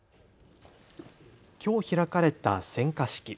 きょう開かれた選果式。